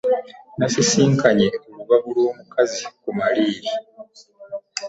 Nasisinkanye olubabu lw'omukazi ku maliiri.